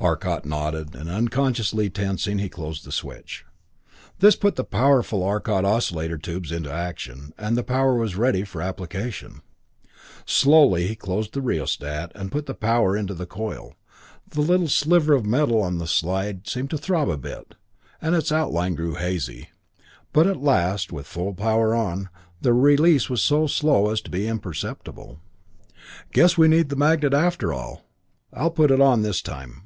Arcot nodded, and unconsciously tensing, he closed the switch. This put the powerful Arcot oscillator tubes into action, and the power was ready for application. Slowly he closed the rheostat and put the power into the coil. The little sliver of metal on the slide seemed to throb a bit, and its outline grew hazy; but at last, with full power on, the release was so slow as to be imperceptible. "Guess we need the magnet after all; I'll put it on this time."